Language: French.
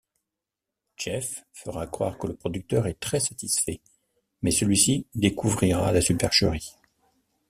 Jeff fera croire que le producteur est très satisfait mais celui-ci découvrira la supercherie.